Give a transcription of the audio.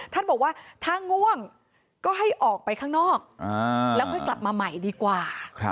ท่านบอกว่าถ้าง่วงก็ให้ออกไปข้างนอกแล้วค่อยกลับมาใหม่ดีกว่า